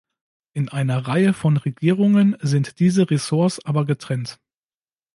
In einer Reihe von Regierungen sind diese Ressorts aber getrennt.